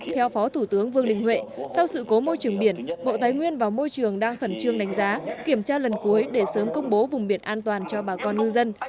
theo phó thủ tướng vương đình huệ sau sự cố môi trường biển bộ thái nguyên và môi trường đang khẩn trương đánh giá kiểm tra lần cuối để sớm công bố vùng biển an toàn cho bà con ngư dân